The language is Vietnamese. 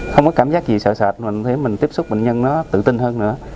không có cảm giác gì sợ sạch mình thấy mình tiếp xúc bệnh nhân nó tự tin hơn nữa